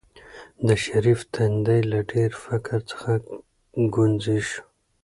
د شریف تندی له ډېر فکر څخه ګونځې شو.